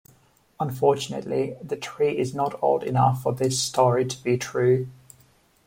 Unfortunately, the tree is not old enough for this story to be true.